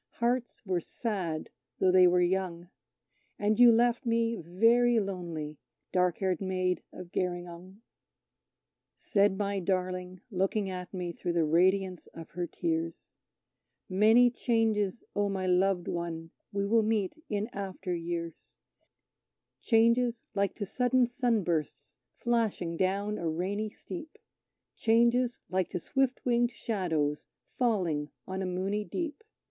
Hearts were sad though they were young, And you left me very lonely, dark haired Maid of Gerringong. Said my darling, looking at me, through the radiance of her tears: "Many changes, O my loved One, we will meet in after years; Changes like to sudden sunbursts flashing down a rainy steep Changes like to swift winged shadows falling on a moony deep!